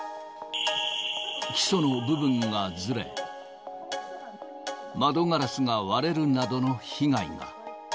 基礎の部分がずれ、窓ガラスが割れるなどの被害が。